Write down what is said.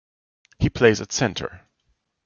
He plays at centre.